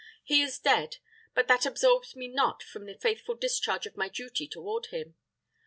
He is dead; but that absolves me not from the faithful discharge of my duty toward him.